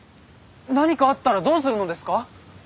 何かあったらどうするのですか？